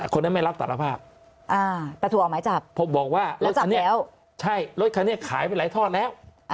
คนนั้นไม่รับตัดละภาพแต่ถูกเอาหมายจับผมบอกว่ารถคันนี้ขายไปหลายท่อนแล้ว